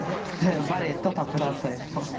バレエとタップダンスはやってます。